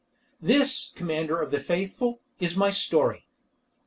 This, Commander of the Faithful, is my story.